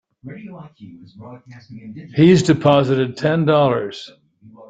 He's deposited Ten Dollars.